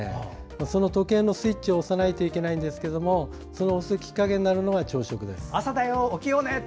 その時計のスイッチを押さないといけないんですがその押すきっかけになるのが朝食です。